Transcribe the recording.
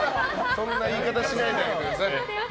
そんな言い方しないで。